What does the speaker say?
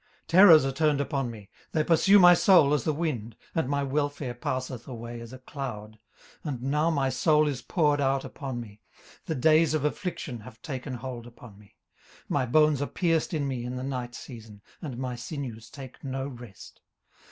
18:030:015 Terrors are turned upon me: they pursue my soul as the wind: and my welfare passeth away as a cloud. 18:030:016 And now my soul is poured out upon me; the days of affliction have taken hold upon me. 18:030:017 My bones are pierced in me in the night season: and my sinews take no rest.